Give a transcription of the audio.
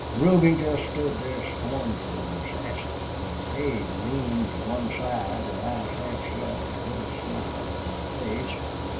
Ruby jest stood there scornful an' sassy, with her haid leanin' to one side, her eyes half shut, an' a little smile on her face.